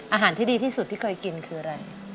อาหารที่ดีที่สุดที่เคยกินคืออะไร